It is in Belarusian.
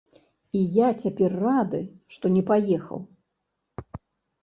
І я цяпер рады, што не паехаў!